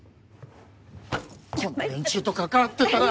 こんな連中と関わってたら。